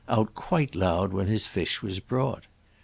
out quite loud when his fish was brought.